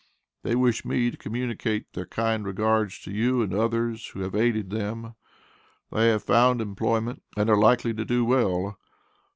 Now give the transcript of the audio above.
They wish me to communicate their kind regards to you and others who have aided them. They have found employment and are likely to do well.